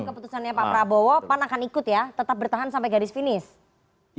jadi apakah keputusannya pak prabowo pan akan ikut ya tetap bertahan sampai gadis finish